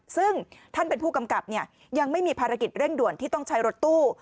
ซึ่งท่านเป็นผู้กำกับยังไม่มีภารกิจเร่งด่วนที่ต้องใช้รถตู้